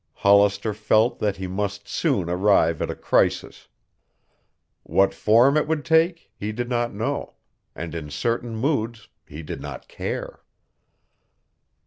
Hollister felt that he must soon arrive at a crisis. What form it would take he did not know, and in certain moods he did not care.